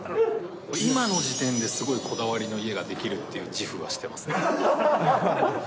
今の時点ですごいこだわりの家が出来るって自負はしてますね。